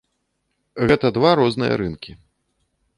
Гэта два розныя рынкі.